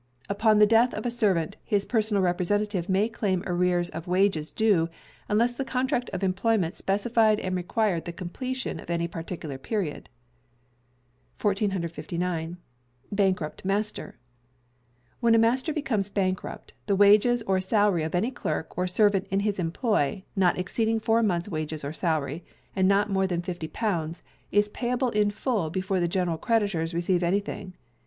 Upon the Death of a Servant, his personal representative may claim arrears of wages due, unless the contract of employment specified and required the completion of any particular period. 1459. Bankrupt Master. When a Master becomes Bankrupt, the wages or salary of any clerk or servant in his employ, not exceeding four months' wages or salary, and not more than £50, is payable in full before the general creditors receive anything.